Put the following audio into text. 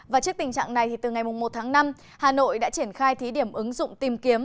và trước tình trạng này từ ngày một tháng năm hà nội đã triển khai thí điểm ứng dụng tìm kiếm